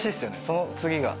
この次が。